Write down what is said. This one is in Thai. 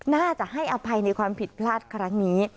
น่าจะให้อภัยในความผิดพลาดครั้งนี้